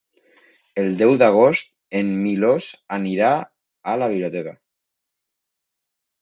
El deu d'agost en Milos anirà a la biblioteca.